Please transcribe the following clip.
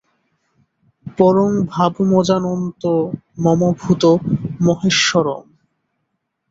পরং ভাবমজানন্তো মম ভূত মহেশ্বরম্।